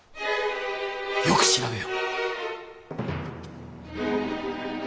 よく調べよ。